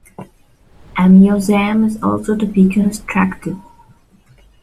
A museum is also to be constructed.